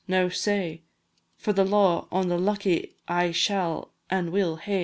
now say, For the law on the lucky I shall an' will hae.